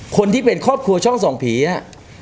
คนที่เป็นครอบครัวช่องส่องผีอ่ะ